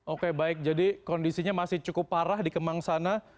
oke baik jadi kondisinya masih cukup parah di kemang sana